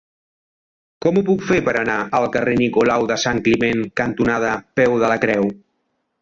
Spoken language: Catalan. Com ho puc fer per anar al carrer Nicolau de Sant Climent cantonada Peu de la Creu?